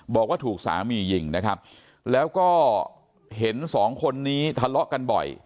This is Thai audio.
บอกว่าถูกสามียิงนะครับแล้วก็เห็นสองคนนี้ทะเลาะกันบ่อย